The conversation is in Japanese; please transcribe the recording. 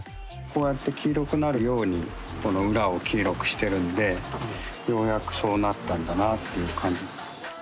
こうやって黄色くなるようにこの裏を黄色くしてるんでようやくそうなったんだなっていう感じ。